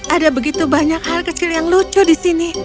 ada begitu banyak hal kecil yang lucu di sini